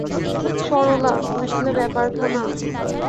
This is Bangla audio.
সরলা বুঝলে ব্যাপারখানা।